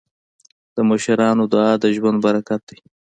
د مشرانو دعا د ژوند برکت دی.